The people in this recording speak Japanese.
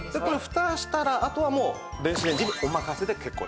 ふたをしたらあとはもう電子レンジにおまかせで結構です。